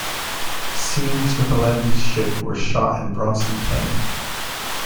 Scenes with the landed ship were shot in Bronson Canyon.